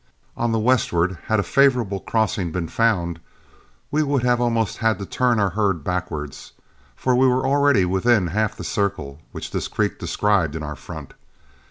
On the westward, had a favorable crossing been found, we would almost have had to turn our herd backward, for we were already within the half circle which this creek described in our front.